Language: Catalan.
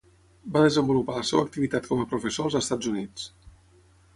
Va desenvolupar la seva activitat com a professor als Estats Units.